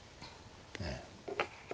ええ。